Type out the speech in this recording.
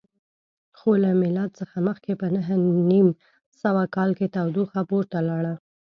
خو له میلاد څخه مخکې په نهه نیم سوه کال کې تودوخه پورته لاړه